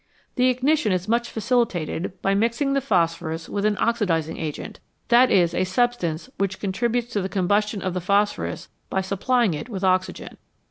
The ignition is much facilitated by mixing the phosphorus with an oxidising agent, that is, a substance which contributes to the combustion of the phosphorus by supplying it with oxygen.